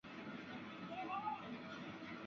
今次目黑分驻所的路线移至品川。